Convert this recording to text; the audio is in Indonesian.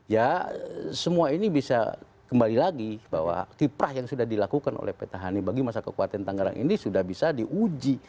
ya semua ini bisa kembali lagi bahwa kiprah yang sudah dilakukan oleh petahani bagi masa kekuatan tangerang ini sudah bisa diuji